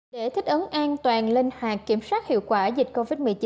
để thích ấn an toàn lên hạt kiểm soát hiệu quả dịch covid một mươi chín